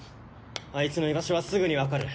あいつの居場所はすぐに分かる。